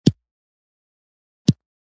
د فاعل سته والى د جملې بشپړتیا یقیني کوي.